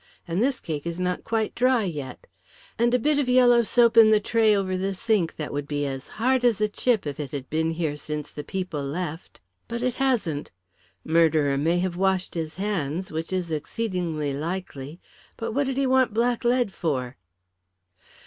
And this cake is not quite dry yet. And a bit of yellow soap in the tray over the sink that would be as hard as a chip if it had been here since the people left. But it hasn't. Murderer may have washed his hands, which is exceedingly likely, but what did he want blacklead for?"